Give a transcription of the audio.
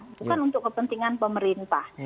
bukan untuk kepentingan pemerintah